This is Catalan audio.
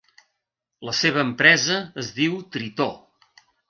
La seva empresa es diu Tritó.